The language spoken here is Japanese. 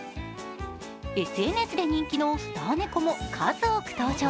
ＳＮＳで人気のスター猫も数多く登場。